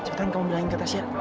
cepetan kamu bilangin kak tasya